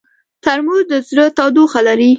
ترموز د زړه تودوخه لري.